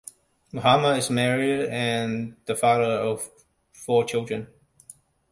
Mahama is married and the father of four children.